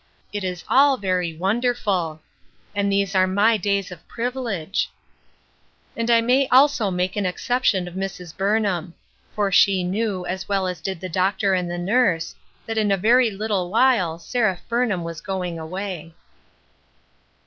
It is all very wonderful ! And these are my days of privilege !" And I may also make an exception of Mrs. Burnham ; for she knew, as well as did the doctor and the nurse, that in a very little while Seraph Burnham was going away.